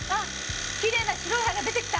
きれいな白い歯が出てきた！